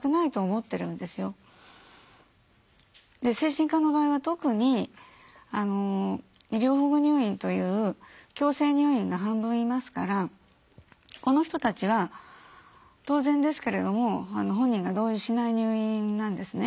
精神科の場合は特に医療保護入院という強制入院が半分いますからこの人たちは当然ですけれども本人が同意しない入院なんですね。